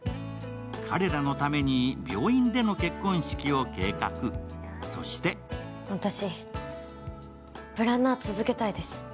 彼らのために病院での結婚式を計画、そして私、プランナー続けたいです。